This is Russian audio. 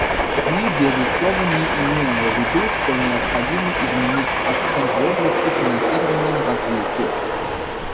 Мы, безусловно, не имеем в виду, что необходимо изменить акцент в области финансирования развития.